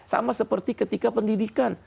sama seperti ketika pendidikan